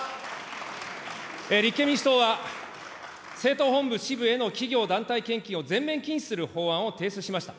立憲民主党は、政党本部、支部への企業団体献金を全面禁止する法案を提出しました。